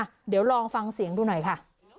เดี๋ยวลองฟังเสียงดูหน่อยค่ะ